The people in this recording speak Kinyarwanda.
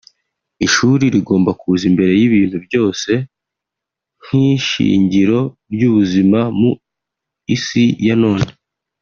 ishuri rigomba kuza imbere y’ibintu byose nk’ishingiro ry’ubuzima mu isi ya none